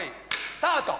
スタート